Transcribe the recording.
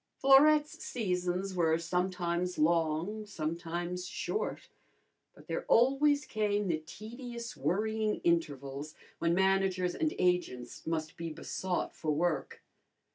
Florette's seasons were sometimes long, sometimes short; but there always came the tedious worrying intervals when managers and agents must be besought for work.